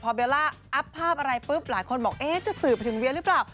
พอเบลล่าอัพภาพอะไรปุ๊บหลายคนบอกเอ๊ะจะสื่อไปถึงเวียหรือเปล่า